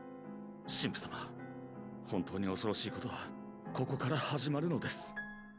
神父様本当に恐ろしいことはここから始まるのです。